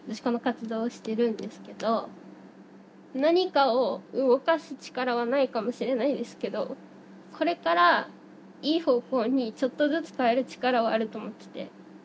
この活動をしてるんですけど何かを動かす力はないかもしれないですけどこれからいい方向にちょっとずつ変える力はあると思ってて。